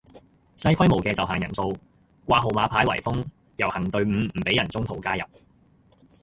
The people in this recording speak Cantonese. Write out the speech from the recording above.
細規模嘅就限人數掛號碼牌圍封遊行隊伍唔俾人中途加入